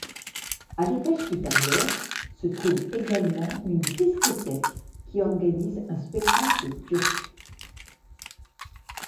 À l'étage supérieur, se trouve également une discothèque qui organise un spectacle turc.